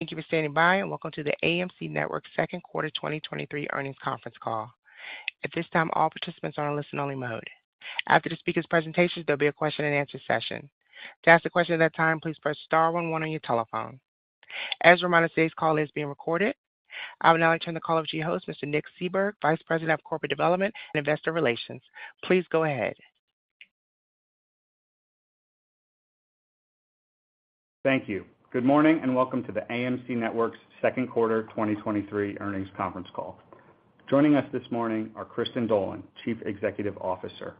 Thank you for standing by, and welcome to the AMC Networks Second Quarter 2023 Earnings Conference Call. At this time, all participants are on a listen-only mode. After the speakers' presentations, there'll be a question-and-answer session. To ask a question at that time, please press star one one on your telephone. As a reminder, today's call is being recorded. I would now like to turn the call over to your host, Mr. Nick Seibert, Vice President of Corporate Development and Investor Relations. Please go ahead. Thank you. Good morning, welcome to the AMC Networks Second Quarter 2023 Earnings Conference Call. Joining us this morning are Kristin Dolan, Chief Executive Officer;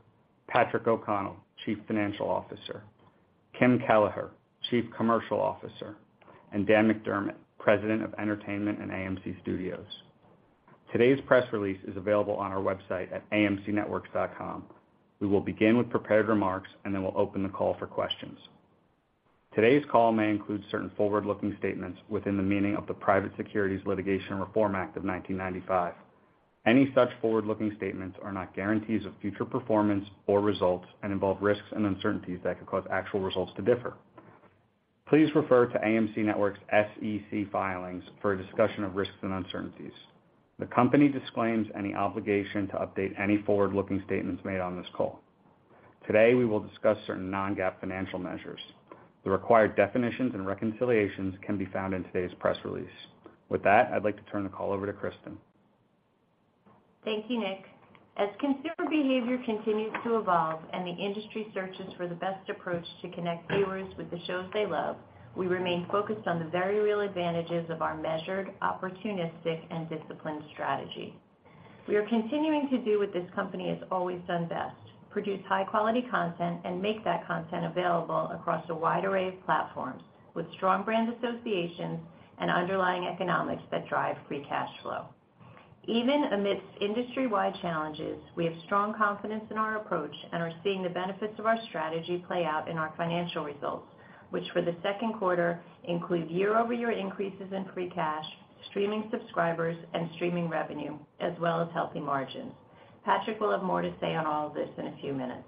Patrick O'Connell, Chief Financial Officer; Kim Kelleher, Chief Commercial Officer; and Dan McDermott, President of Entertainment and AMC Studios. Today's press release is available on our website at amcnetworks.com. We will begin with prepared remarks, then we'll open the call for questions. Today's call may include certain forward-looking statements within the meaning of the Private Securities Litigation Reform Act of 1995. Any such forward-looking statements are not guarantees of future performance or results and involve risks and uncertainties that could cause actual results to differ. Please refer to AMC Networks' SEC filings for a discussion of risks and uncertainties. The company disclaims any obligation to update any forward-looking statements made on this call. Today, we will discuss certain non-GAAP financial measures. The required definitions and reconciliations can be found in today's press release. With that, I'd like to turn the call over to Kristin. Thank you, Nick. As consumer behavior continues to evolve and the industry searches for the best approach to connect viewers with the shows they love, we remain focused on the very real advantages of our measured, opportunistic, and disciplined strategy. We are continuing to do what this company has always done best, produce high-quality content and make that content available across a wide array of platforms, with strong brand associations and underlying economics that drive free cash flow. Even amidst industry-wide challenges, we have strong confidence in our approach and are seeing the benefits of our strategy play out in our financial results, which for the second quarter include year-over-year increases in free cash, streaming subscribers, and streaming revenue, as well as healthy margins. Patrick will have more to say on all of this in a few minutes.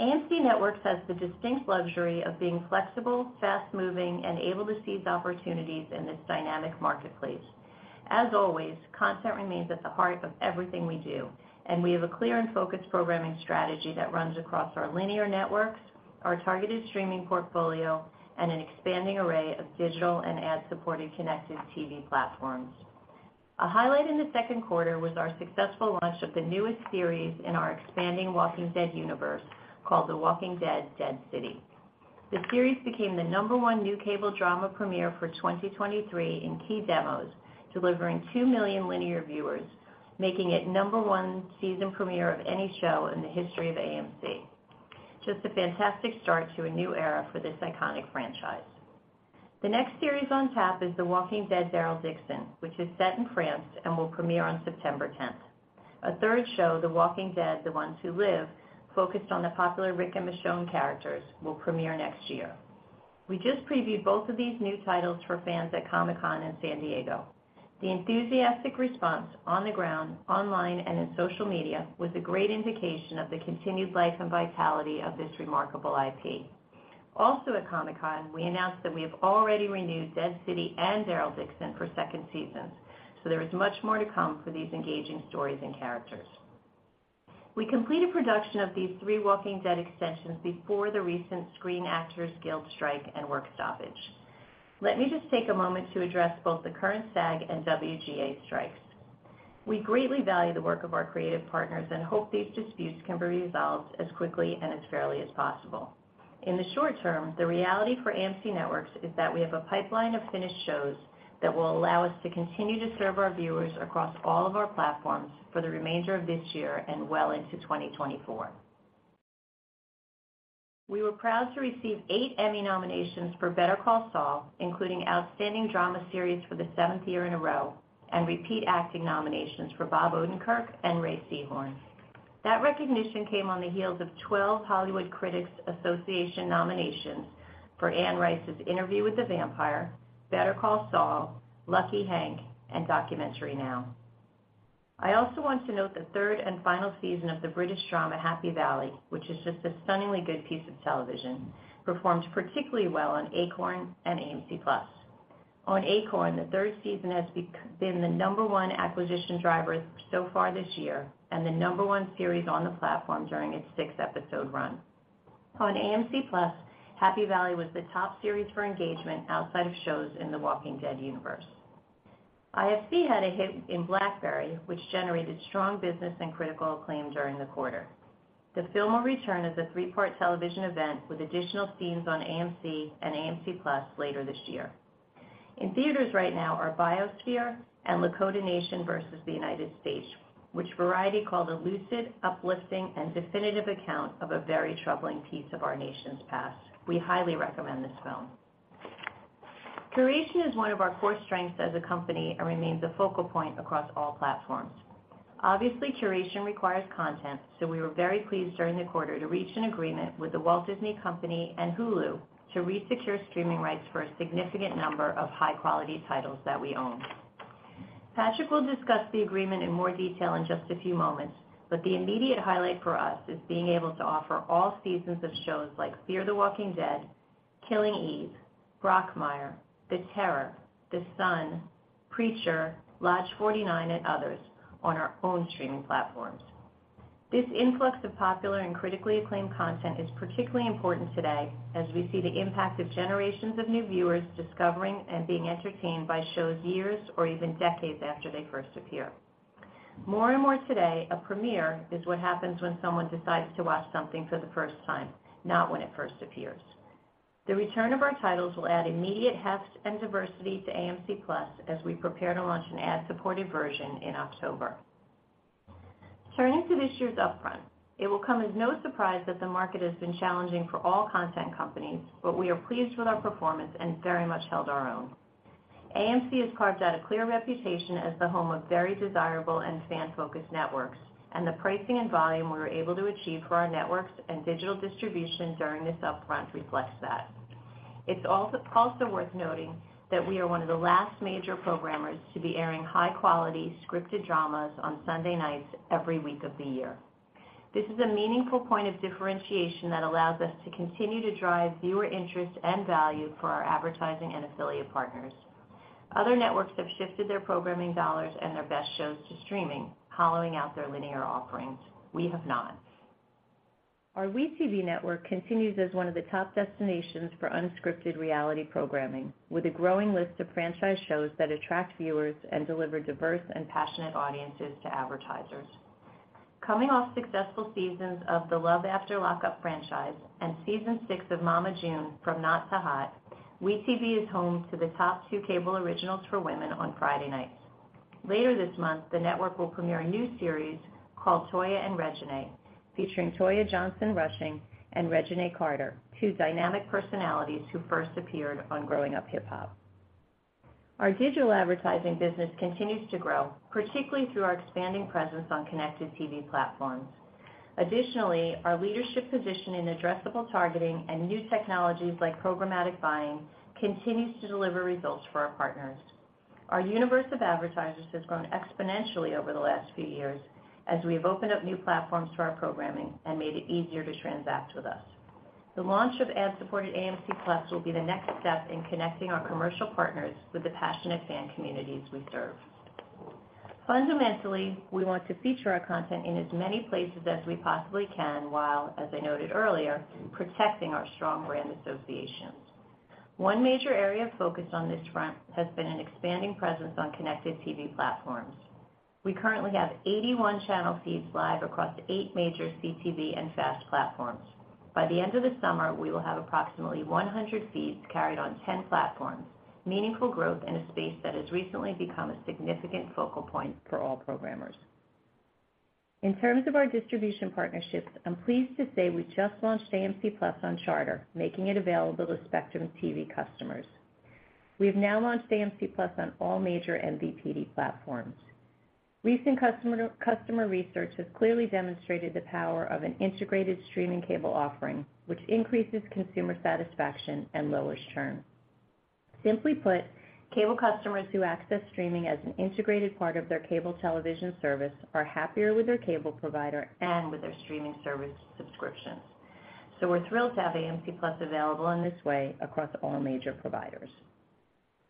AMC Networks has the distinct luxury of being flexible, fast-moving, and able to seize opportunities in this dynamic marketplace. As always, content remains at the heart of everything we do, and we have a clear and focused programming strategy that runs across our linear networks, our targeted streaming portfolio, and an expanding array of digital and ad-supported connected TV platforms. A highlight in the second quarter was our successful launch of the newest series in our expanding The Walking Dead Universe, called The Walking Dead: Dead City. The series became the number one new cable drama premiere for 2023 in key demos, delivering 2 million linear viewers, making it number one season premiere of any show in the history of AMC. Just a fantastic start to a new era for this iconic franchise. The next series on tap is The Walking Dead: Daryl Dixon, which is set in France and will premiere on September 10th. A third show, The Walking Dead: The Ones Who Live, focused on the popular Rick and Michonne characters, will premiere next year. We just previewed both of these new titles for fans at Comic-Con in San Diego. The enthusiastic response on the ground, online, and in social media was a great indication of the continued life and vitality of this remarkable IP. Also at Comic-Con, we announced that we have already renewed Dead City and Daryl Dixon for second seasons. There is much more to come for these engaging stories and characters. We completed production of these three Walking Dead extensions before the recent Screen Actors Guild strike and work stoppage. Let me just take a moment to address both the current SAG and WGA strikes. We greatly value the work of our creative partners and hope these disputes can be resolved as quickly and as fairly as possible. In the short term, the reality for AMC Networks is that we have a pipeline of finished shows that will allow us to continue to serve our viewers across all of our platforms for the remainder of this year and well into 2024. We were proud to receive eight Emmy nominations for Better Call Saul, including Outstanding Drama Series for the 7th year in a row, and repeat acting nominations for Bob Odenkirk and Rhea Seehorn. That recognition came on the heels of 12 Hollywood Critics Association nominations for Anne Rice's Interview with the Vampire, Better Call Saul, Lucky Hank, and Documentary Now! I also want to note the third and final season of the British drama, Happy Valley, which is just a stunningly good piece of television, performed particularly well on Acorn and AMC+. On Acorn, the third season has been the number one acquisition driver so far this year and the number one series on the platform during its 6-episode run. On AMC+, Happy Valley was the top series for engagement outside of shows in The Walking Dead Universe. IFC had a hit in BlackBerry, which generated strong business and critical acclaim during the quarter. The film will return as a three-part television event with additional scenes on AMC and AMC+ later this year. In theaters right now are Biosphere and Lakota Nation vs. United States, which Variety called a lucid, uplifting, and definitive account of a very troubling piece of our nation's past. We highly recommend this film. Curation is one of our core strengths as a company and remains a focal point across all platforms. Obviously, curation requires content, so we were very pleased during the quarter to reach an agreement with The Walt Disney Company and Hulu to resecure streaming rights for a significant number of high-quality titles that we own. Patrick will discuss the agreement in more detail in just a few moments, but the immediate highlight for us is being able to offer all seasons of shows like Fear the Walking Dead, Killing Eve, Brockmire, The Terror, The Son, Preacher, Lodge 49, and others on our own streaming platforms. This influx of popular and critically acclaimed content is particularly important today as we see the impact of generations of new viewers discovering and being entertained by shows years or even decades after they first appear. More and more today, a premiere is what happens when someone decides to watch something for the first time, not when it first appears. The return of our titles will add immediate heft and diversity to AMC+ as we prepare to launch an ad-supported version in October. Turning to this year's upfront, it will come as no surprise that the market has been challenging for all content companies. We are pleased with our performance and very much held our own. AMC has carved out a clear reputation as the home of very desirable and fan-focused networks. The pricing and volume we were able to achieve for our networks and digital distribution during this upfront reflects that. It's also worth noting that we are one of the last major programmers to be airing high-quality scripted dramas on Sunday nights every week of the year. This is a meaningful point of differentiation that allows us to continue to drive viewer interest and value for our advertising and affiliate partners. Other networks have shifted their programming dollars and their best shows to streaming, hollowing out their linear offerings. We have not. Our WE tv network continues as one of the top destinations for unscripted reality programming, with a growing list of franchise shows that attract viewers and deliver diverse and passionate audiences to advertisers. Coming off successful seasons of the Love After Lockup franchise and Season Six of Mama June: From Not to Hot, WE tv is home to the top two cable originals for women on Friday nights. Later this month, the network will premiere a new series called Toya & Reginae, featuring Toya Johnson-Rushing and Reginae Carter, two dynamic personalities who first appeared on Growing Up Hip Hop. Our digital advertising business continues to grow, particularly through our expanding presence on connected TV platforms. Additionally, our leadership position in addressable targeting and new technologies like programmatic buying continues to deliver results for our partners. Our universe of advertisers has grown exponentially over the last few years as we have opened up new platforms to our programming and made it easier to transact with us. The launch of ad-supported AMC+ will be the next step in connecting our commercial partners with the passionate fan communities we serve. Fundamentally, we want to feature our content in as many places as we possibly can, while, as I noted earlier, protecting our strong brand associations. One major area of focus on this front has been an expanding presence on connected TV platforms. We currently have 81 channel feeds live across eight major CTV and FAST platforms. By the end of the summer, we will have approximately 100 feeds carried on 10 platforms, meaningful growth in a space that has recently become a significant focal point for all programmers. In terms of our distribution partnerships, I'm pleased to say we just launched AMC+ on Charter, making it available to Spectrum TV customers. We have now launched AMC+ on all major MVPD platforms. Recent customer, customer research has clearly demonstrated the power of an integrated streaming cable offering, which increases consumer satisfaction and lowers churn. Simply put, cable customers who access streaming as an integrated part of their cable television service are happier with their cable provider and with their streaming service subscriptions. We're thrilled to have AMC+ available in this way across all major providers.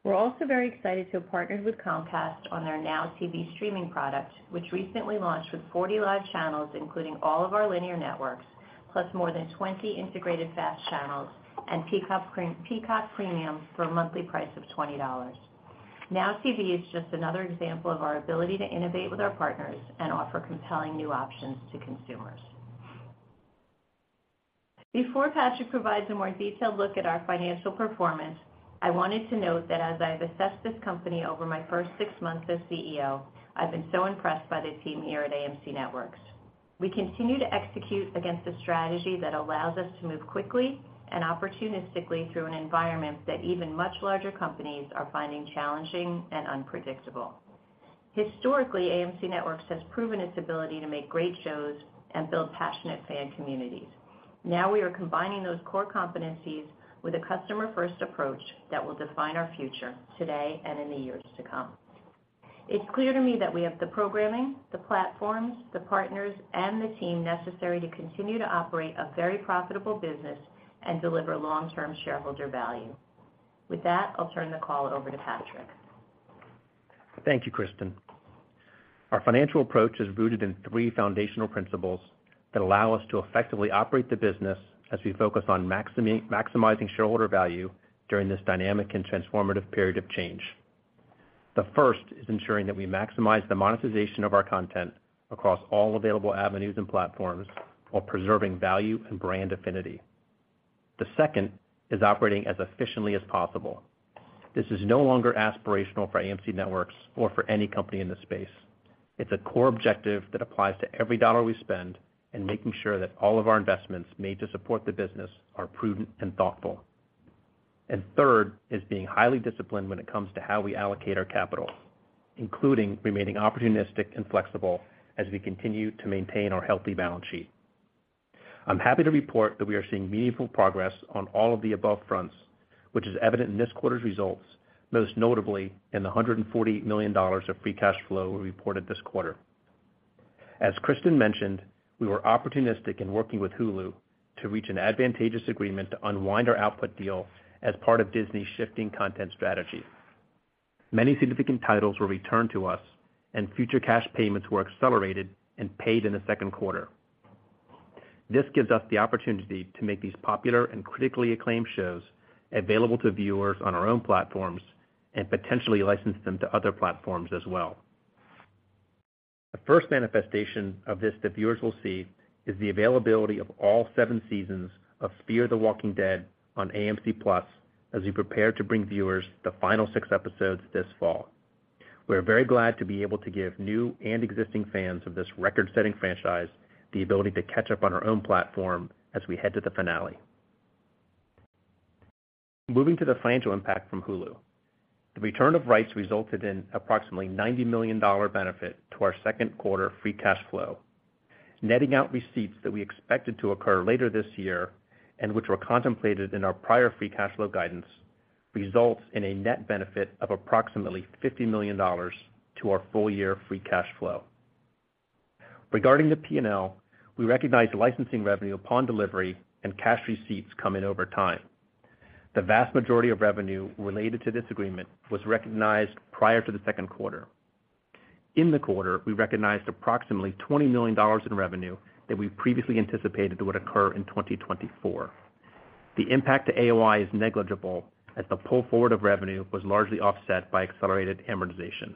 We're also very excited to have partnered with Comcast on their NOW TV streaming product, which recently launched with 40 live channels, including all of our linear networks, plus more than 20 integrated FAST channels and Peacock Premium for a monthly price of $20. NOW TV is just another example of our ability to innovate with our partners and offer compelling new options to consumers. Before Patrick provides a more detailed look at our financial performance, I wanted to note that as I've assessed this company over my first six months as CEO, I've been so impressed by the team here at AMC Networks. We continue to execute against a strategy that allows us to move quickly and opportunistically through an environment that even much larger companies are finding challenging and unpredictable. Historically, AMC Networks has proven its ability to make great shows and build passionate fan communities. We are combining those core competencies with a customer-first approach that will define our future today and in the years to come. It's clear to me that we have the programming, the platforms, the partners, and the team necessary to continue to operate a very profitable business and deliver long-term shareholder value. With that, I'll turn the call over to Patrick. Thank you, Kristin. Our financial approach is rooted in three foundational principles that allow us to effectively operate the business as we focus on maximizing shareholder value during this dynamic and transformative period of change. The first is ensuring that we maximize the monetization of our content across all available avenues and platforms while preserving value and brand affinity. The second is operating as efficiently as possible. This is no longer aspirational for AMC Networks or for any company in this space. It's a core objective that applies to every dollar we spend and making sure that all of our investments made to support the business are prudent and thoughtful. Third is being highly disciplined when it comes to how we allocate our capital, including remaining opportunistic and flexible as we continue to maintain our healthy balance sheet. I'm happy to report that we are seeing meaningful progress on all of the above fronts, which is evident in this quarter's results, most notably in the $148 million of free cash flow we reported this quarter. As Kristin mentioned, we were opportunistic in working with Hulu to reach an advantageous agreement to unwind our output deal as part of Disney's shifting content strategy. Many significant titles were returned to us, and future cash payments were accelerated and paid in the second quarter. This gives us the opportunity to make these popular and critically acclaimed shows available to viewers on our own platforms and potentially license them to other platforms as well. The first manifestation of this that viewers will see is the availability of all seven seasons of Fear the Walking Dead on AMC+ as we prepare to bring viewers the final six episodes this fall. We are very glad to be able to give new and existing fans of this record-setting franchise the ability to catch up on our own platform as we head to the finale. Moving to the financial impact from Hulu. The return of rights resulted in approximately $90 million benefit to our second quarter free cash flow. Netting out receipts that we expected to occur later this year, and which were contemplated in our prior free cash flow guidance, results in a net benefit of approximately $50 million to our full-year free cash flow. Regarding the P&L, we recognize licensing revenue upon delivery and cash receipts come in over time. The vast majority of revenue related to this agreement was recognized prior to the second quarter. In the quarter, we recognized approximately $20 million in revenue that we previously anticipated would occur in 2024. The impact to AOI is negligible, as the pull forward of revenue was largely offset by accelerated amortization.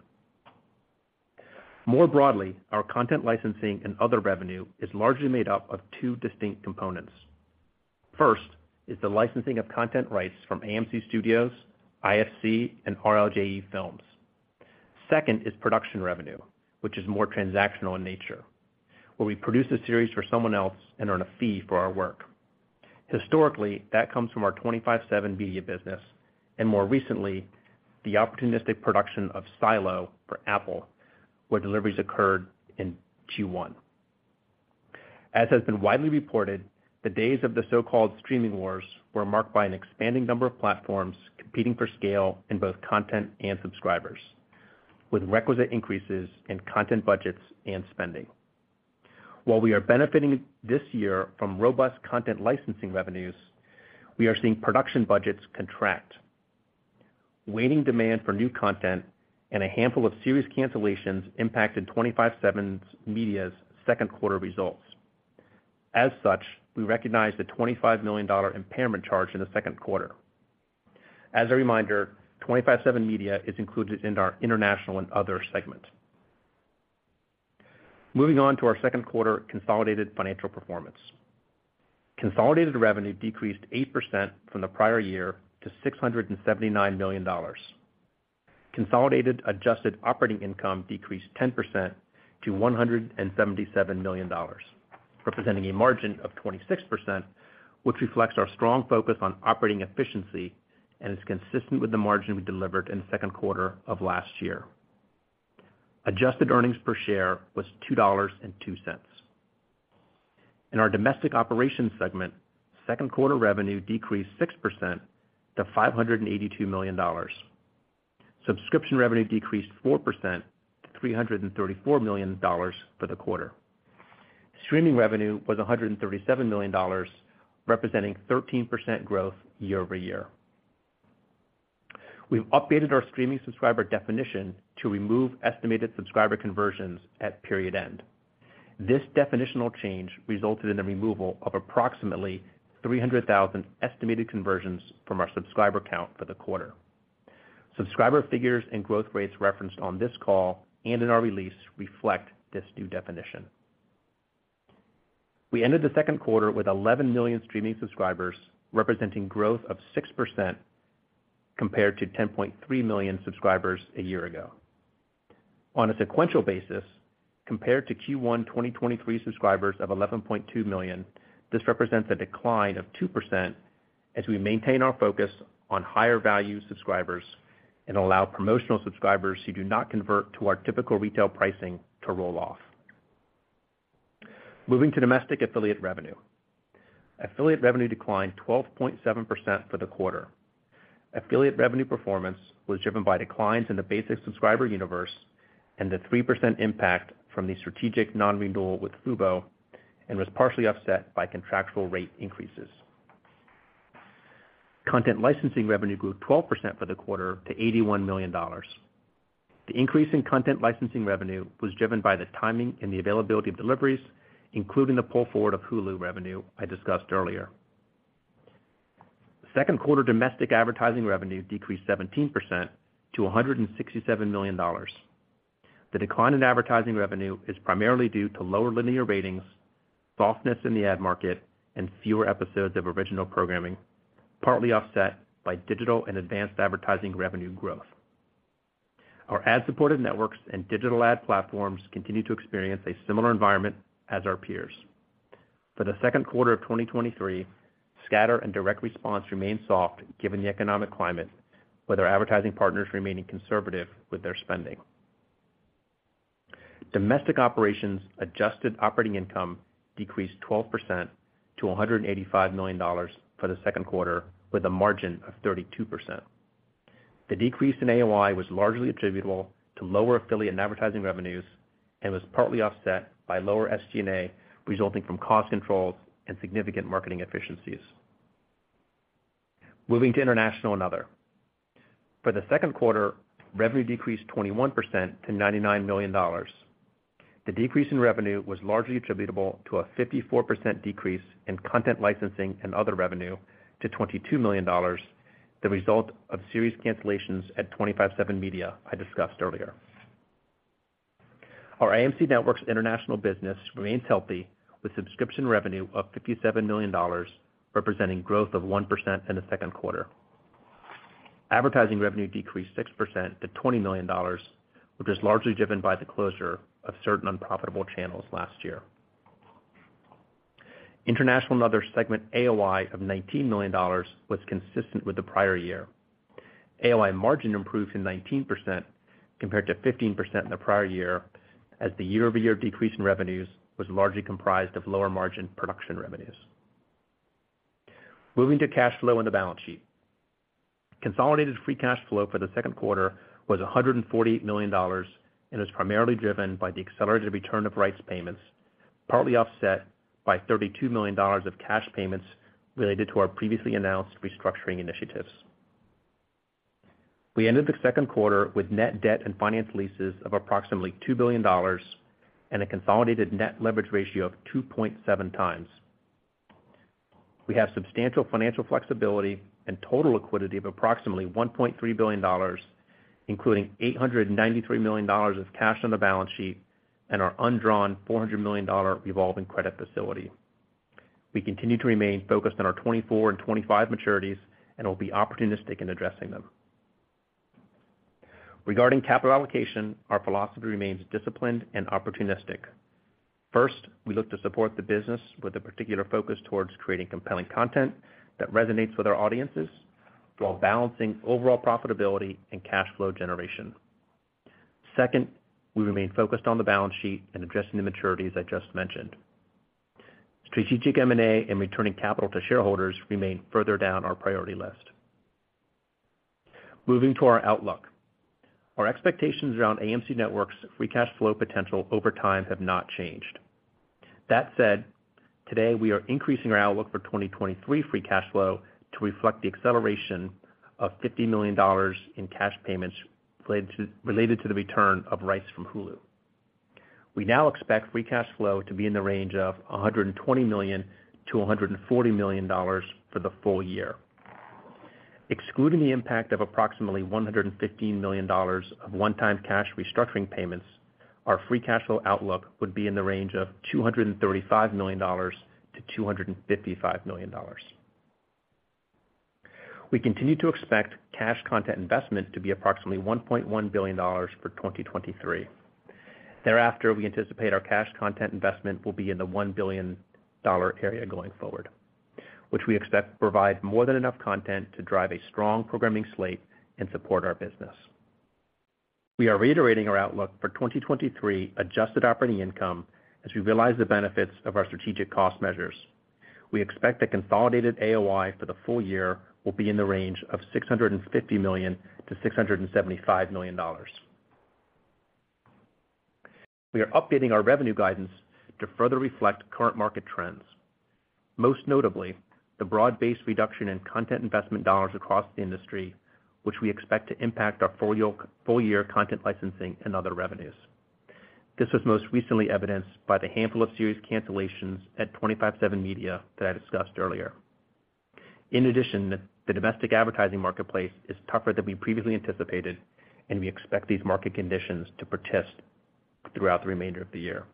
More broadly, our content licensing and other revenue is largely made up of two distinct components. First, is the licensing of content rights from AMC Studios, IFC, and RLJE Films. Second is production revenue, which is more transactional in nature, where we produce a series for someone else and earn a fee for our work. Historically, that comes from our 25/7 Media business, and more recently, the opportunistic production of Silo for Apple, where deliveries occurred in Q1. As has been widely reported, the days of the so-called streaming wars were marked by an expanding number of platforms competing for scale in both content and subscribers, with requisite increases in content budgets and spending. While we are benefiting this year from robust content licensing revenues, we are seeing production budgets contract. Waning demand for new content and a handful of serious cancellations impacted 25/7 Media's second quarter results. As such, we recognize the $25 million impairment charge in the second quarter. As a reminder, 25/7 Media is included in our international and other segment. Moving on to our second quarter consolidated financial performance. Consolidated revenue decreased 8% from the prior year to $679 million. Consolidated adjusted operating income decreased 10% to $177 million, representing a margin of 26%, which reflects our strong focus on operating efficiency and is consistent with the margin we delivered in the second quarter of last year. Adjusted earnings per share was $2.02. In our domestic operations segment, second quarter revenue decreased 6% to $582 million. Subscription revenue decreased 4% to $334 million for the quarter. Streaming revenue was $137 million, representing 13% growth year-over-year. We've updated our streaming subscriber definition to remove estimated subscriber conversions at period end. This definitional change resulted in the removal of approximately 300,000 estimated conversions from our subscriber count for the quarter. Subscriber figures and growth rates referenced on this call and in our release reflect this new definition. We ended the second quarter with 11 million streaming subscribers, representing growth of 6% compared to 10.3 million subscribers a year ago. On a sequential basis, compared to Q1 2023 subscribers of 11.2 million, this represents a decline of 2% as we maintain our focus on higher-value subscribers and allow promotional subscribers who do not convert to our typical retail pricing to roll off. Moving to domestic affiliate revenue. Affiliate revenue declined 12.7% for the quarter. Affiliate revenue performance was driven by declines in the basic subscriber universe and the 3% impact from the strategic non-renewal with Fubo, was partially offset by contractual rate increases. Content licensing revenue grew 12% for the quarter to $81 million. The increase in content licensing revenue was driven by the timing and the availability of deliveries, including the pull forward of Hulu revenue I discussed earlier. Second quarter domestic advertising revenue decreased 17% to $167 million. The decline in advertising revenue is primarily due to lower linear ratings, softness in the ad market, and fewer episodes of original programming, partly offset by digital and advanced advertising revenue growth. Our ad-supported networks and digital ad platforms continue to experience a similar environment as our peers. For the second quarter of 2023, scatter and direct response remain soft, given the economic climate, with our advertising partners remaining conservative with their spending. Domestic operations adjusted operating income decreased 12% to $185 million for the second quarter, with a margin of 32%. The decrease in AOI was largely attributable to lower affiliate and advertising revenues and was partly offset by lower SG&A, resulting from cost controls and significant marketing efficiencies. Moving to international and other. For the second quarter, revenue decreased 21% to $99 million. The decrease in revenue was largely attributable to a 54% decrease in content licensing and other revenue to $22 million, the result of series cancellations at 25/7 Media I discussed earlier. Our AMC Networks International business remains healthy, with subscription revenue of $57 million, representing growth of 1% in the second quarter. Advertising revenue decreased 6% to $20 million, which was largely driven by the closure of certain unprofitable channels last year. International and other segment AOI of $19 million was consistent with the prior year. AOI margin improved to 19% compared to 15% in the prior year, as the year-over-year decrease in revenues was largely comprised of lower margin production revenues. Moving to cash flow and the balance sheet. Consolidated free cash flow for the second quarter was $148 million and is primarily driven by the accelerated return of rights payments, partly offset by $32 million of cash payments related to our previously announced restructuring initiatives. We ended the second quarter with net debt and finance leases of approximately $2 billion and a consolidated net leverage ratio of 2.7x. We have substantial financial flexibility and total liquidity of approximately $1.3 billion, including $893 million of cash on the balance sheet and our undrawn $400 million revolving credit facility. We continue to remain focused on our 2024 and 2025 maturities and will be opportunistic in addressing them. Regarding capital allocation, our philosophy remains disciplined and opportunistic. First, we look to support the business with a particular focus towards creating compelling content that resonates with our audiences, while balancing overall profitability and cash flow generation. Second, we remain focused on the balance sheet and addressing the maturities I just mentioned. Strategic M&A and returning capital to shareholders remain further down our priority list. Moving to our outlook. Our expectations around AMC Networks' free cash flow potential over time have not changed. That said, today, we are increasing our outlook for 2023 free cash flow to reflect the acceleration of $50 million in cash payments related to the return of rights from Hulu. We now expect free cash flow to be in the range of $120 million-$140 million for the full year. Excluding the impact of approximately $115 million of one-time cash restructuring payments, our free cash flow outlook would be in the range of $235 million-$255 million. We continue to expect cash content investment to be approximately $1.1 billion for 2023. Thereafter, we anticipate our cash content investment will be in the $1 billion area going forward, which we expect to provide more than enough content to drive a strong programming slate and support our business. We are reiterating our outlook for 2023 adjusted operating income as we realize the benefits of our strategic cost measures. We expect the consolidated AOI for the full year will be in the range of $650 million-$675 million. We are updating our revenue guidance to further reflect current market trends, most notably the broad-based reduction in content investment dollars across the industry, which we expect to impact our full year, full year content licensing and other revenues. This was most recently evidenced by the handful of series cancellations at 25/7 Media that I discussed earlier. The domestic advertising marketplace is tougher than we previously anticipated, and we expect these market conditions to persist throughout the remainder of the year.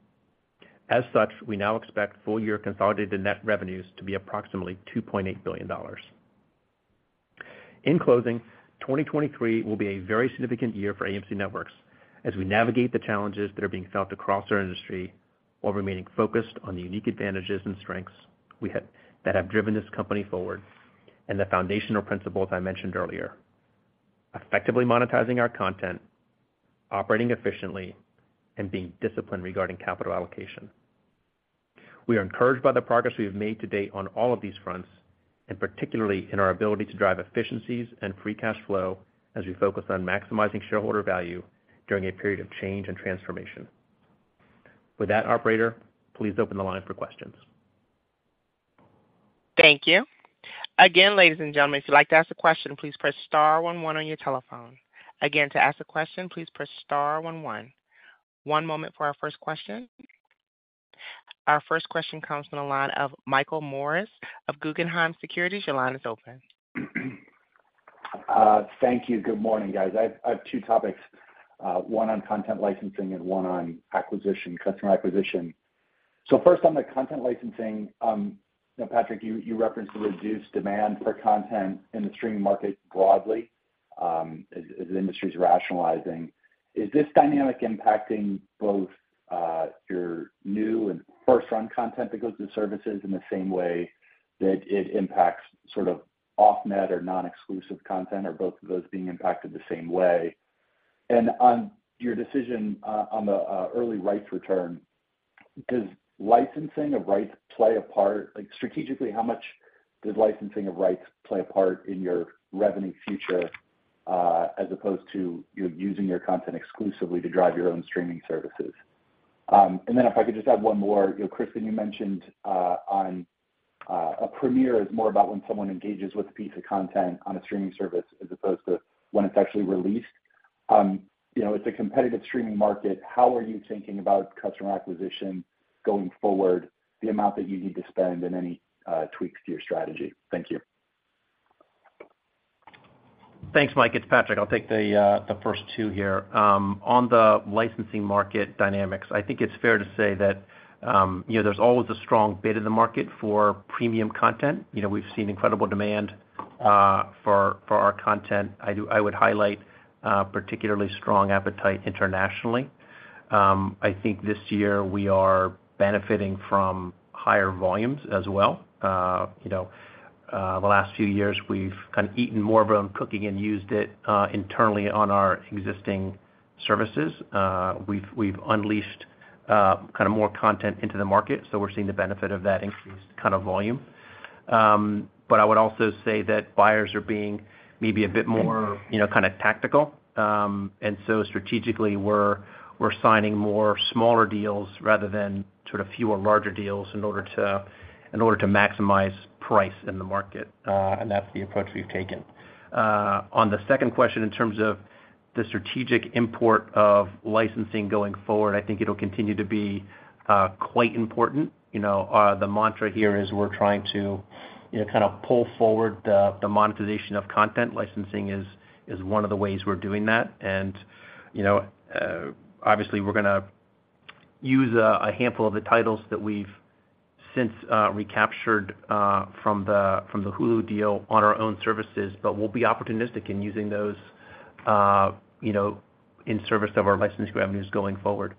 We now expect full year consolidated net revenues to be approximately $2.8 billion. In closing, 2023 will be a very significant year for AMC Networks as we navigate the challenges that are being felt across our industry, while remaining focused on the unique advantages and strengths we have that have driven this company forward, and the foundational principles I mentioned earlier: effectively monetizing our content, operating efficiently, and being disciplined regarding capital allocation. We are encouraged by the progress we've made to date on all of these fronts, and particularly in our ability to drive efficiencies and free cash flow as we focus on maximizing shareholder value during a period of change and transformation. With that, operator, please open the line for questions. Thank you. Again, ladies and gentlemen, if you'd like to ask a question, please press star one one on your telephone. Again, to ask a question, please press star one one. One moment for our first question. Our first question comes from the line of Michael Morris of Guggenheim Securities. Your line is open. Thank you. Good morning, guys. I have two topics, one on content licensing and one on acquisition, customer acquisition. So first, on the content licensing, Patrick, you referenced the reduced demand for content in the streaming market broadly, as the industry is rationalizing. Is this dynamic impacting both your new and first-run content that goes to services in the same way that it impacts sort of off net or non-exclusive content, are both of those being impacted the same way? And on your decision, on the early rights return, does licensing of rights play a part, like, strategically, how much does licensing of rights play a part in your revenue future, as opposed to you using your content exclusively to drive your own streaming services? And then if I could just add one more. You know, Kristin, you mentioned a premiere is more about when someone engages with a piece of content on a streaming service as opposed to when it's actually released. You know, it's a competitive streaming market. How are you thinking about customer acquisition going forward, the amount that you need to spend, and any tweaks to your strategy? Thank you. Thanks, Mike. It's Patrick. I'll take the, the first two here. On the licensing market dynamics, I think it's fair to say that, you know, there's always a strong bid in the market for premium content. You know, we've seen incredible demand for, for our content. I do- I would highlight, particularly strong appetite internationally. I think this year we are benefiting from higher volumes as well. You know, the last few years we've kind of eaten more of our own cooking and used it internally on our existing services. We've, we've unleashed, kind of more content into the market, so we're seeing the benefit of that increased kind of volume. But I would also say that buyers are being maybe a bit more, you know, kinda tactical. So strategically we're signing more smaller deals rather than sort of fewer larger deals in order to maximize price in the market. That's the approach we've taken. On the second question, in terms of the strategic import of licensing going forward, I think it'll continue to be quite important. You know, the mantra here is we're trying to, you know, kind of pull forward the monetization of content. Licensing is one of the ways we're doing that. You know, obviously, we're gonna use a handful of the titles that we've since recaptured from the Hulu deal on our own services, but we'll be opportunistic in using those, you know, in service of our licensing revenues going forward.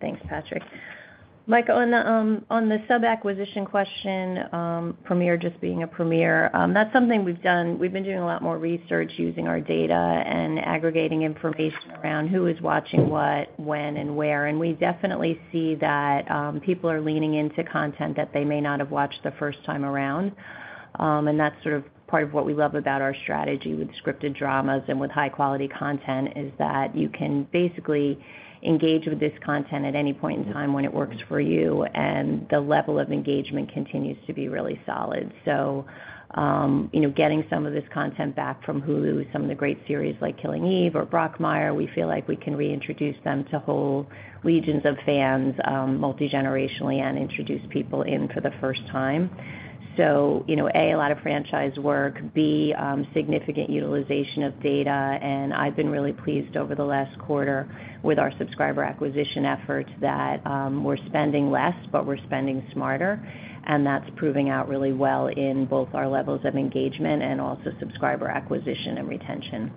Thanks, Patrick. Mike, on the, on the sub-acquisition question, premiere just being a premiere, that's something we've done. We've been doing a lot more research using our data and aggregating information around who is watching what, when, and where. We definitely see that, people are leaning into content that they may not have watched the first time around. That's sort of part of what we love about our strategy with scripted dramas and with high-quality content, is that you can basically engage with this content at any point in time when it works for you, and the level of engagement continues to be really solid. You know, getting some of this content back from Hulu, some of the great series like Killing Eve or Brockmire, we feel like we can reintroduce them to whole legions of fans, multi-generationally and introduce people in for the first time. You know, A, a lot of franchise work, B, significant utilization of data, and I've been really pleased over the last quarter with our subscriber acquisition efforts that we're spending less, but we're spending smarter, and that's proving out really well in both our levels of engagement and also subscriber acquisition and retention.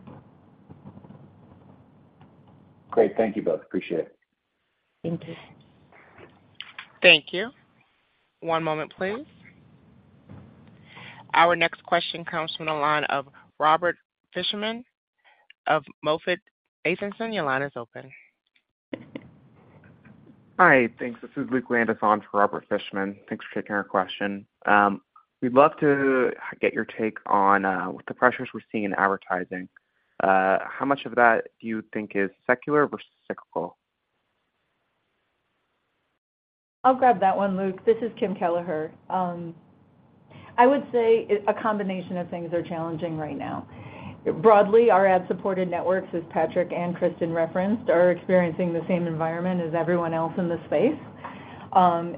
Great. Thank you both. Appreciate it. Thank you. Thank you. One moment, please. Our next question comes from the line of Robert Fishman of MoffettNathanson. Your line is open. Hi, thanks. This is Luke Landis on for Robert Fishman. Thanks for taking our question. We'd love to get your take on with the pressures we're seeing in advertising. How much of that do you think is secular versus cyclical? I'll grab that one, Luke. This is Kim Kelleher. I would say a combination of things are challenging right now. Broadly, our ad-supported networks, as Patrick and Kristin referenced, are experiencing the same environment as everyone else in the space.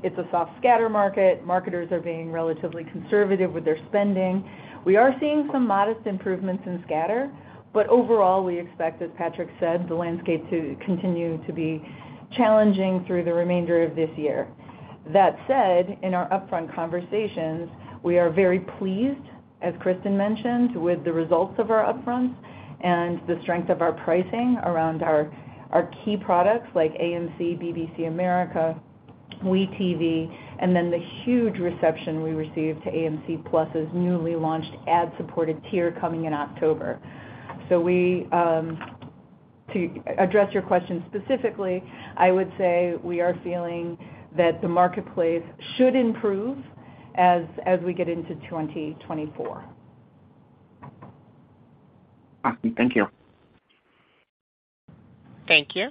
It's a soft scatter market. Marketers are being relatively conservative with their spending. We are seeing some modest improvements in scatter, but overall, we expect, as Patrick said, the landscape to continue to be challenging through the remainder of this year. That said, in our upfront conversations, we are very pleased, as Kristin mentioned, with the results of our upfronts and the strength of our pricing around our key products like AMC, BBC America, WE tv, and then the huge reception we received to AMC+'s newly launched ad-supported tier coming in October. To address your question specifically, I would say we are feeling that the marketplace should improve as, as we get into 2024. Awesome. Thank you. Thank you.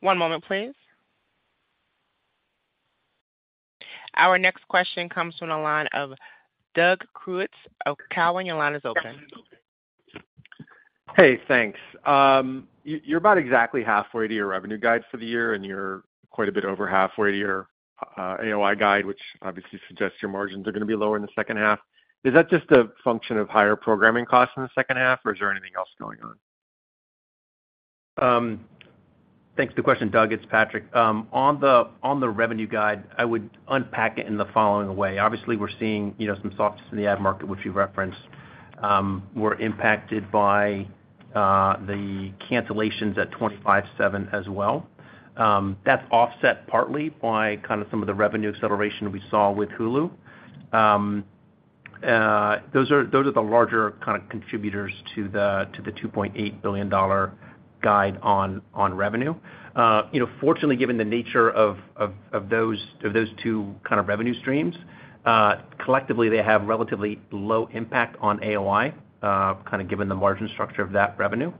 One moment, please. Our next question comes from the line of Doug Creutz of Cowen. Your line is open. Hey, thanks. You're about exactly halfway to your revenue guides for the year, and you're quite a bit over halfway to your AOI guide, which obviously suggests your margins are gonna be lower in the second half. Is that just a function of higher programming costs in the second half, or is there anything else going on? Thanks for the question, Doug. It's Patrick. On the revenue guide, I would unpack it in the following way. Obviously, we're seeing, you know, some softness in the ad market, which you referenced. We're impacted by the cancellations at 25/7 Media as well. That's offset partly by kind of some of the revenue acceleration we saw with Hulu. Those are the larger kind of contributors to the $2.8 billion guide on revenue. You know, fortunately, given the nature of those, of those two kind of revenue streams, collectively, they have relatively low impact on AOI, kind of given the margin structure of that revenue.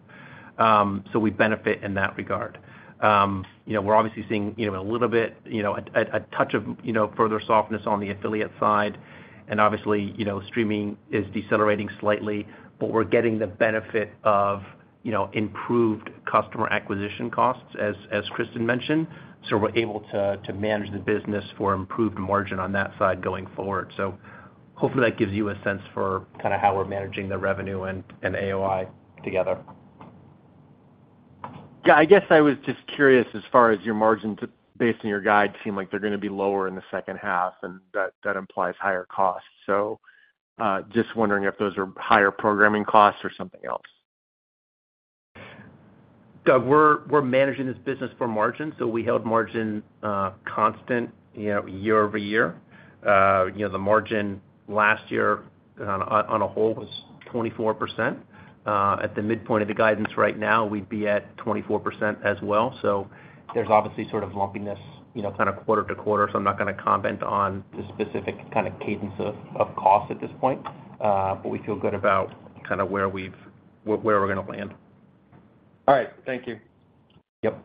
We benefit in that regard. You know, we're obviously seeing, you know, a little bit, you know, a touch of, you know, further softness on the affiliate side. Obviously, you know, streaming is decelerating slightly, but we're getting the benefit of, you know, improved customer acquisition costs, as Kristin mentioned. We're able to manage the business for improved margin on that side going forward. Hopefully that gives you a sense for kind of how we're managing the revenue and AOI together. Yeah, I guess I was just curious, as far as your margins, based on your guide, seem like they're going to be lower in the second half, and that implies higher costs. Just wondering if those are higher programming costs or something else? Doug, we're, we're managing this business for margin, so we held margin, constant, you know, year-over-year. You know, the margin last year on, on a whole was 24%. At the midpoint of the guidance right now, we'd be at 24% as well. There's obviously sort of lumpiness, you know, kind of quarter-to-quarter, so I'm not going to comment on the specific kind of cadence of, of cost at this point. But we feel good about kind of where we're going to land. All right. Thank you. Yep.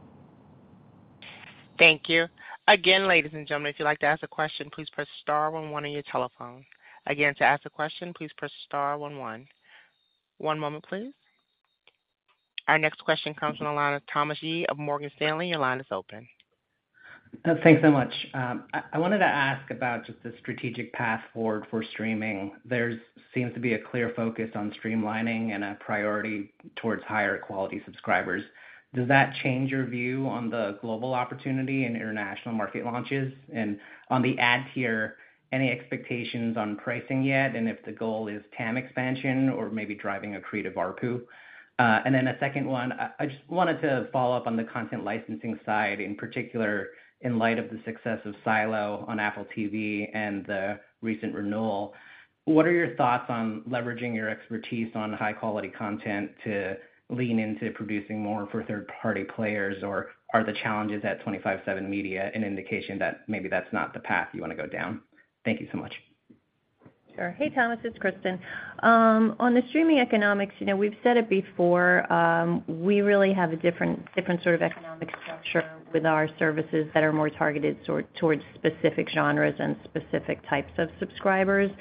Thank you. Again, ladies and gentlemen, if you'd like to ask a question, please press star one, one on your telephone. Again, to ask a question, please press star one, one. One moment, please. Our next question comes from the line of Thomas Yeh of Morgan Stanley. Your line is open. Thanks so much. I, I wanted to ask about just the strategic path forward for streaming. There seems to be a clear focus on streamlining and a priority towards higher quality subscribers. Does that change your view on the global opportunity and international market launches? On the ad tier, any expectations on pricing yet, and if the goal is TAM expansion or maybe driving a creative ARPU? Then a second one. I, I just wanted to follow up on the content licensing side, in particular, in light of the success of Silo on Apple TV+ and the recent renewal. What are your thoughts on leveraging your expertise on high-quality content to lean into producing more for third-party players? Or are the challenges at 25/7 Media an indication that maybe that's not the path you want to go down? Thank you so much. Sure. Hey, Thomas, it's Kristin. On the streaming economics, you know, we've said it before, we really have a different, different sort of economic structure with our services that are more targeted toward, towards specific genres and specific types of subscribers.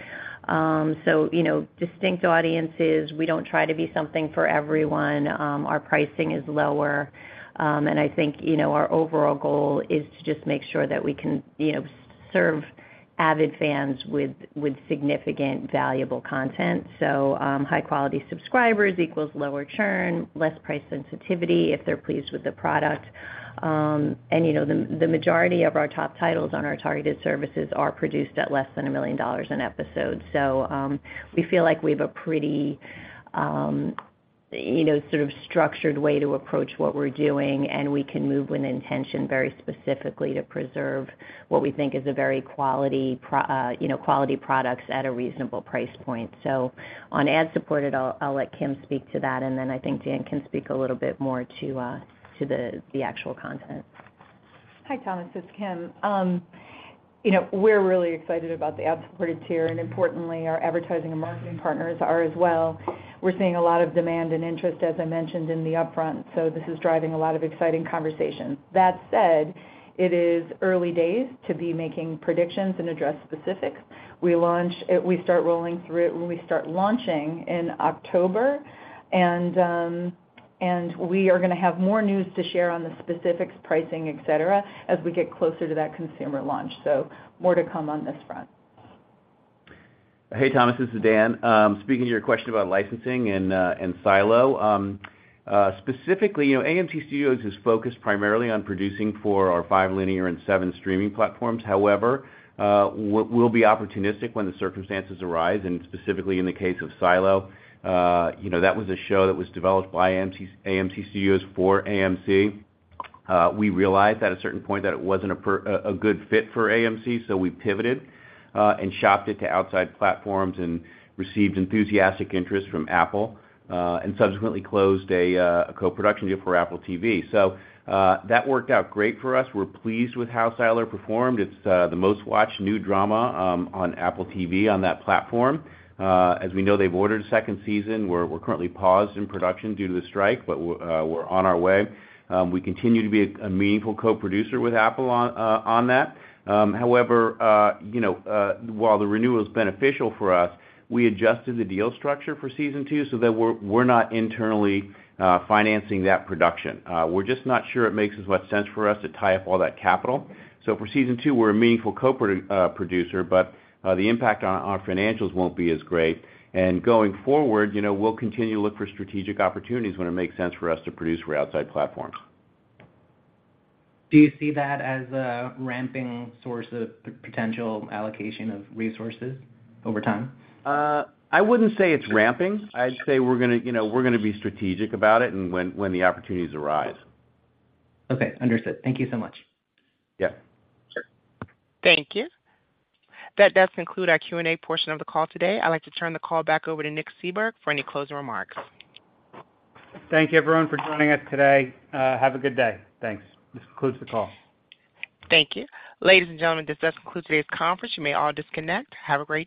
You know, distinct audiences, we don't try to be something for everyone. Our pricing is lower. I think, you know, our overall goal is to just make sure that we can, you know, serve avid fans with, with significant valuable content. High-quality subscribers equals lower churn, less price sensitivity, if they're pleased with the product. You know, the, the majority of our top titles on our targeted services are produced at less than $1 million an episode. We feel like we have a pretty, you know, sort of structured way to approach what we're doing, and we can move with intention very specifically to preserve what we think is a very quality, you know, quality products at a reasonable price point. On ad-supported, I'll, I'll let Kim speak to that, and then I think Dan can speak a little bit more to, to the, the actual content. Hi, Thomas, it's Kim. You know, we're really excited about the ad-supported tier, and importantly, our advertising and marketing partners are as well. We're seeing a lot of demand and interest, as I mentioned, in the upfront, so this is driving a lot of exciting conversations. That said, it is early days to be making predictions and address specifics. We start rolling through it when we start launching in October, and we are going to have more news to share on the specifics, pricing, et cetera, as we get closer to that consumer launch. More to come on this front. Hey, Thomas, this is Dan. Speaking to your question about licensing and Silo. Specifically, you know, AMC Studios is focused primarily on producing for our five linear and seven streaming platforms. However, we'll be opportunistic when the circumstances arise, and specifically in the case of Silo, you know, that was a show that was developed by AMC, AMC Studios for AMC. We realized at a certain point that it wasn't a good fit for AMC, so we pivoted and shopped it to outside platforms and received enthusiastic interest from Apple, and subsequently closed a co-production deal for Apple TV+. That worked out great for us. We're pleased with how Silo performed. It's the most-watched new drama on Apple TV+ on that platform. As we know, they've ordered a second season. We're, we're currently paused in production due to the strike, but we're, we're on our way. We continue to be a, a meaningful co-producer with Apple on, on that. However, you know, while the renewal is beneficial for us, we adjusted the deal structure for season two so that we're, we're not internally financing that production. We're just not sure it makes as much sense for us to tie up all that capital. For season two, we're a meaningful producer, but the impact on our financials won't be as great. Going forward, you know, we'll continue to look for strategic opportunities when it makes sense for us to produce for outside platforms. Do you see that as a ramping source of potential allocation of resources over time? I wouldn't say it's ramping. I'd say we're going to, you know, we're going to be strategic about it and when, when the opportunities arise. Okay, understood. Thank you so much. Yeah. Thank you. That does conclude our Q&A portion of the call today. I'd like to turn the call back over to Nick Seibert for any closing remarks. Thank you, everyone, for joining us today. Have a good day. Thanks. This concludes the call. Thank you. Ladies and gentlemen, this does conclude today's conference. You may all disconnect. Have a great day.